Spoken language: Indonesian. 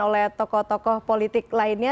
oleh tokoh tokoh politik lainnya